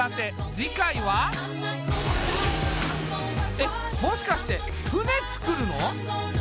えっもしかして船作るの？